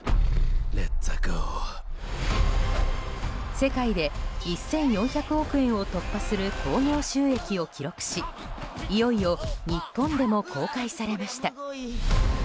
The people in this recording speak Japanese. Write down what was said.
世界で１４００億円を突破する興行収益を記録しいよいよ、日本でも公開されました。